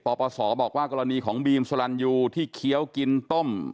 ปปศบอกว่ากรณีของบีมสลันยูที่เคี้ยวกินต้ม